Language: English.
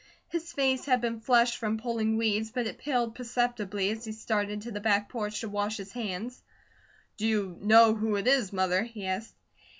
His face had been flushed from pulling weeds, but it paled perceptibly as he started to the back porch to wash his hands. "Do you know who it is, Mother?" he asked.